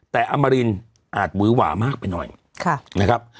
แต่อมรินอาจหวือหวามากไปหน่อยนะครับ